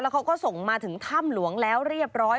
เขาก็ส่งมาถึงถ้ำหลวงแล้วเรียบร้อย